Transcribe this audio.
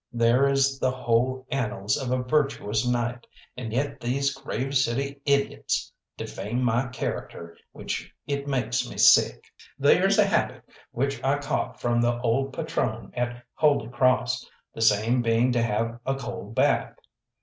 There is the whole annals of a virtuous night, and yet these Grave City idiots defamed my character, which it makes me sick. There's a habit which I caught from the old patrone at Holy Cross, the same being to have a cold bath.